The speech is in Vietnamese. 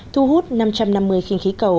thu hút năm trăm năm mươi khinh khí cầu